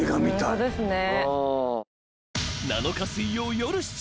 ホントですね。